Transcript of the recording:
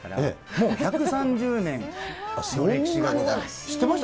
もう１３０年の歴史がございます。